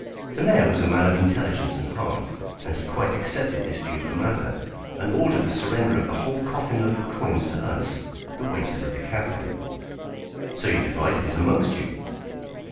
The mayor was a man of intelligence and heart, and he quite accepted this view of the matter, and ordered the surrender of the whole coffin load of coins to us, the waiters of the café." "So you divided it amongst you."